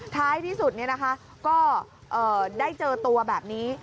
ท้ายที่สุดก็ได้เจอตัวแบบนี้